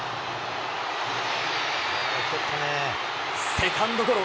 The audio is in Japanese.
セカンドゴロ。